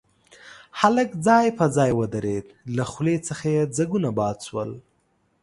هلک ځای پر ځای ودرېد، له خولې څخه يې ځګونه باد شول.